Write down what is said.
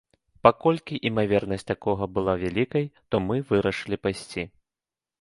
Паколькі імавернасць такога была вялікай, то мы вырашылі пайсці.